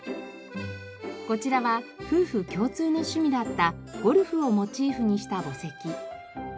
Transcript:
こちらは夫婦共通の趣味だったゴルフをモチーフにした墓石。